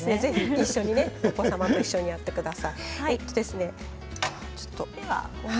お子様と一緒にやってください。